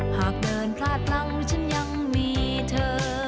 หากเดินพลาดหลังฉันยังมีเธอ